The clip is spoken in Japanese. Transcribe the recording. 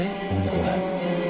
これ。